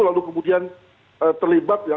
lalu kemudian terlibat ya